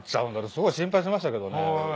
すごい心配しましたけどね。